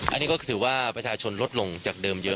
อันนี้ก็ถือว่าประชาชนลดลงจากเดิมเยอะ